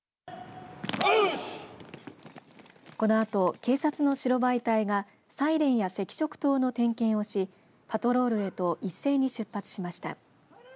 このあと警察の白バイ隊がサイレンや赤色灯の点検をしパトロールへといっせいに出発しました。